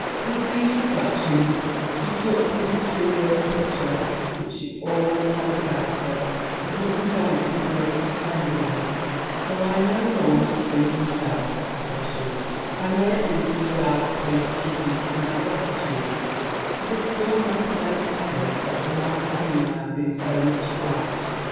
With these reflections she took out Mr. Trueworth's picture, which she always carried about her; and, looking on it with the greatest tenderness, 'Though I no more must see himself,' said she, 'I may, at least, be allowed to pay the tribute of my gratitude to this dumb representative of the man to whom I have been so much obliged.'